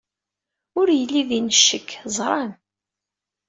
Ur yelli din ccekk ẓran.